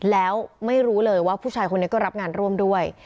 แล้วไม่รู้เลยว่าผู้ชายคนนี้ก็รับงานร่วมด้วย